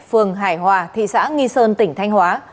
phường hải hòa thị xã nghi sơn tỉnh thanh hóa